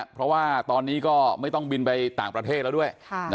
เพราะว่าตอนนี้ก็ไม่ต้องบินไปต่างประเทศแล้วด้วย